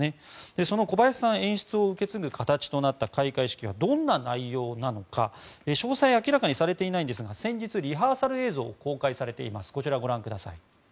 その小林さん演出を受け継ぐ形となった開会式はどんな内容なのか詳細は明らかにされていないんですが先日リハーサル映像が公開されています。